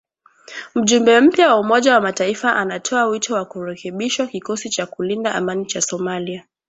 Mjumbe mpya wa Umoja wa mataifa anatoa wito wa kurekebishwa kikosi cha kulinda amani cha Somalia